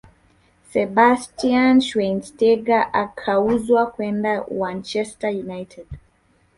sebastian schweinsteiger akauzwa kwenda uanchester United